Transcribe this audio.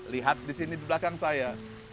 lihat di sini di belakang saya